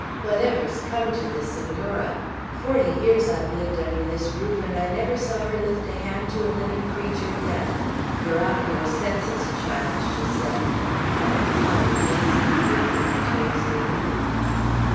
Whatever's come to the Senora! Forty years I've lived under this roof, and I never saw her lift a hand to a living creature yet. You're out of your senses, child!" she said, all the time gazing fearfully towards the room.